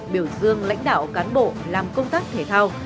biểu dương lãnh đạo cán bộ làm công tác thể thao